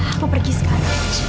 aku pergi sekarang